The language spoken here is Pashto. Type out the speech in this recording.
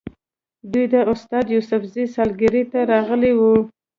دوی د استاد یوسفزي سالګرې ته راغلي وو.